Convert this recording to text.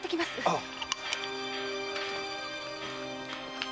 ああ。